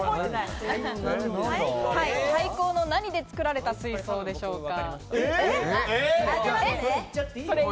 廃校の何で作られた水槽でしょうか？